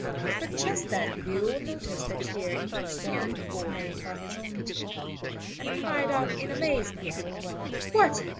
but just then Lin noticed the tear in her stocking made by his own teeth, and cried out in amazement, "What!